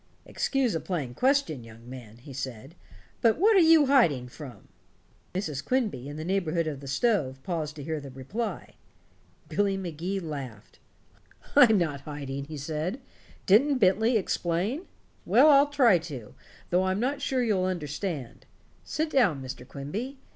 "Excuse a plain question, young man," he said, "but what are you hiding from?" Mrs. Quimby, in the neighborhood of the stove, paused to hear the reply. Billy Magee laughed. "I'm not hiding," he said. "Didn't Bentley explain? Well, I'll try to, though I'm not sure you'll understand. Sit down, Mr. Quimby.